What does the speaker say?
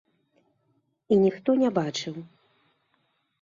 І ніхто не бачыў.